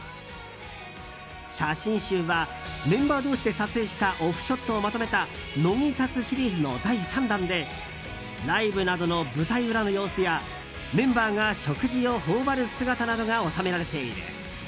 写真集はメンバー同士で撮影したオフショットをまとめた「乃木撮」シリーズの第３弾でライブなどの舞台裏の様子やメンバーが食事を頬張る姿などが収められている。